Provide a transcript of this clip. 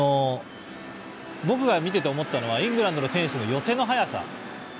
僕が見ていて思ったのはイングランドの選手の寄せの早さ。